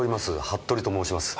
服部と申します。